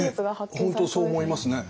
本当そう思いますね。